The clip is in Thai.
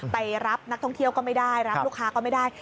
ไปรับนักท่องเที่ยวก็ไม่ได้รับลูกค้าก็ไม่ได้